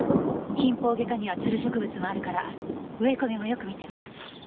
キンポウゲ科にはつる植物もあるから植え込みもよく見てね。